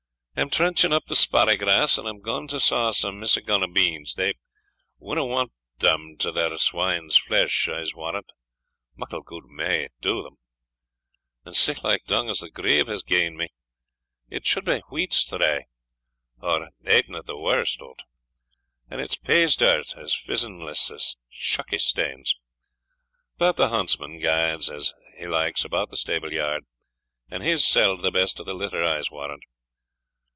"Am trenching up the sparry grass, and am gaun to saw some Misegun beans; they winna want them to their swine's flesh, I'se warrant muckle gude may it do them. And siclike dung as the grieve has gien me! it should be wheat strae, or aiten at the warst o't, and it's pease dirt, as fizzenless as chuckie stanes. But the huntsman guides a' as he likes about the stable yard, and he's selled the best o' the litter, I'se warrant.